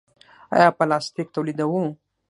آیا پلاستیک تولیدوو؟